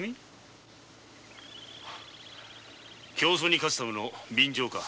競走に勝つための便乗か？